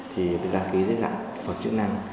thì đăng ký dưới dạng là thực phẩm chức năng